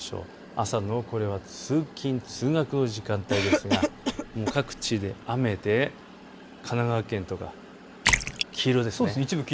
朝の通勤通学の時間帯ですが各地で雨で神奈川県とか黄色ですね。